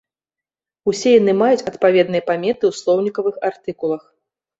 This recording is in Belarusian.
Усе яны маюць адпаведныя паметы ў слоўнікавых артыкулах.